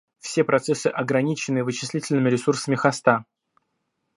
Все процессы ограничены вычислительными ресурсами хоста